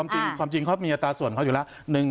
จริงความจริงเขามีอัตราส่วนเขาอยู่แล้ว